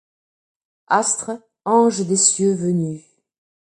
Astre, ange des cieux venu